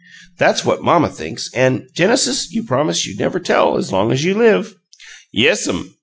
That's what mamma thinks an', Genesis, you promised you'd never tell as long as you live!" "Yes'm.